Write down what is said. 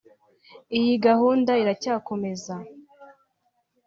Iyi gahunda iracyakomeza